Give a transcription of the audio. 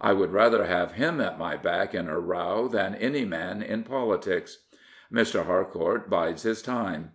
I would rather have him at my back in a row than any man in politics. Mr. Harcourt bides his time.